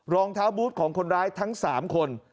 รองเท้าบูธของคนร้ายทั้ง๓คน